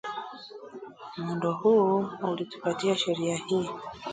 Muundo huu ulitupatia sheria hii:-